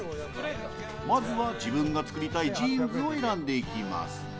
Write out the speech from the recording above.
まずは自分が作りたいジーンズを選んでいきます。